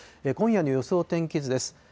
今夜の予想天気図です。